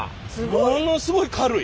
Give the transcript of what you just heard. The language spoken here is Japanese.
ものすごい軽い。